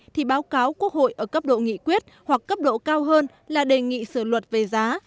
thì báo cáo quốc hội ở cấp độ nghị quyết hoặc cấp độ cao hơn là đề nghị sửa luật về giá